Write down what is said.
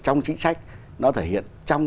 trong chính sách nó thể hiện trong